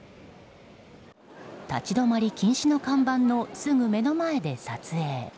立ち止まり禁止の看板のすぐ目の前で撮影。